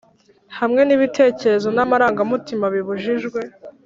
hamwe n'ibitekerezo n'amarangamutima bibujijwe,